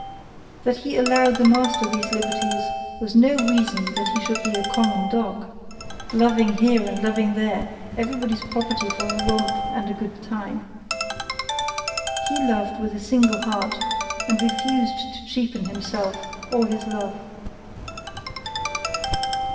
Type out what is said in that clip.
That he allowed the master these liberties was no reason that he should be a common dog, loving here and loving there, everybody's property for a romp and good time. He loved with single heart and refused to cheapen himself or his love.